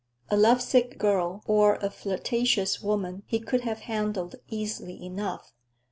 A lovesick girl or a flirtatious woman he could have handled easily enough.